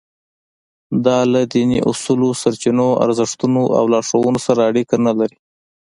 دا له دیني اصولو، سرچینو، ارزښتونو او لارښوونو سره اړیکه نه لري.